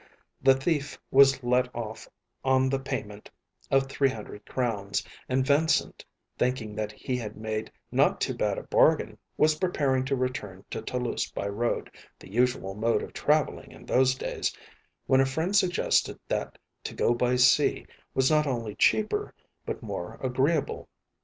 The thief was let off on the payment of three hundred crowns, and Vincent, thinking that he had made not too bad a bargain, was preparing to return to Toulouse by road, the usual mode of traveling in those days, when a friend suggested that to go by sea was not only cheaper, but more agreeable.